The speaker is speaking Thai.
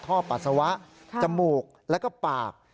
ปัสสาวะจมูกแล้วก็ปาก